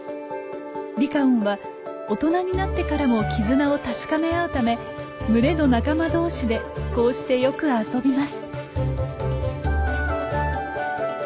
リカオンは大人になってからも絆を確かめ合うため群れの仲間同士でこうしてよく遊びます。